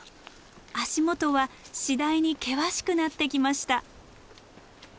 足元は次第に険しくなってきました。